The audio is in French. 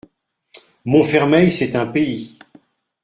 Montfermeil, c'est un pays.